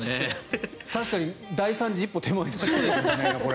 確かに、大惨事一歩手前ですね。